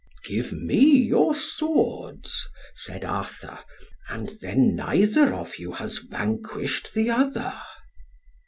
"Give me your swords," said Arthur, "and then neither of you has vanquished the other."